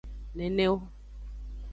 Neneo.